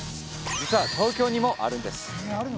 実は東京にもあるんです